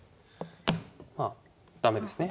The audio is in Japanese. まあ駄目ですね。